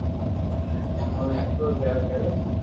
ھين اوني ھکرو تيار ڪريو